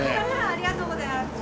ありがとうございます！